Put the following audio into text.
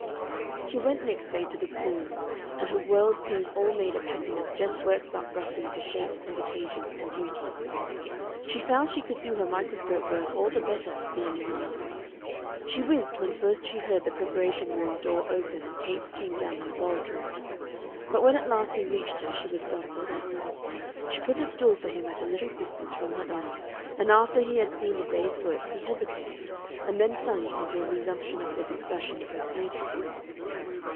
She went next day to the schools, and her world seemed all made of happiness just worked up roughly into shapes and occasions and duties. She found she could do her microscope work all the better for being in love. She winced when first she heard the preparation room door open and Capes came down the laboratory; but when at last he reached her she was self possessed. She put a stool for him at a little distance from her own, and after he had seen the day's work he hesitated, and then plunged into a resumption of their discussion about beauty.